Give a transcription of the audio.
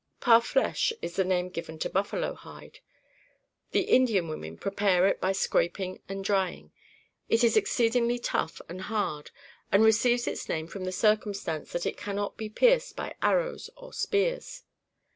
"Parflêche is the name given to buffalo hide. The Indian women prepare it by scraping and drying. It is exceedingly tough and hard, and receives its name from the circumstance that it cannot be pierced by arrows or spears.